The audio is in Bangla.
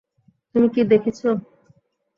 তুমি কী দেখছ?